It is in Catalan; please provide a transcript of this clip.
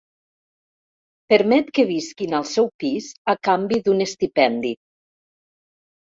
Permet que visquin al seu pis a canvi d'un estipendi.